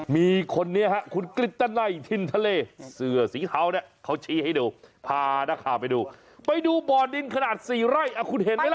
มีคนนี้ครับคุณกริตตาไลทินทะเลเสือสีขาวเนี่ยเขาชี้ให้ดูพาหน้าขาไปดูไปดูบ่อดินขนาด๔ร่อยอะคุณเห็นไหมละ